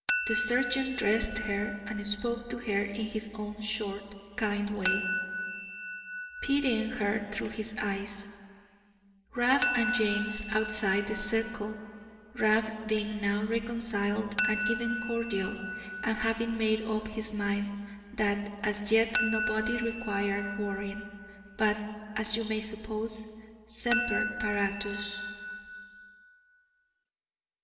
The surgeon dressed her, and spoke to her in his own short, kind way, pitying her through his eyes, Rab and James outside the circle Rab being now reconciled, and even cordial, and having made up his mind that as yet nobody required worrying, but as you may suppose semper paratus.